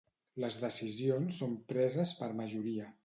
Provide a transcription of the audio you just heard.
Les decisions són preses per majoria.